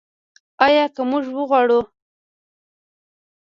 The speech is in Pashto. آیا که موږ وغواړو؟